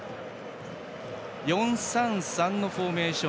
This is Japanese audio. ４−３−３のフォーメーション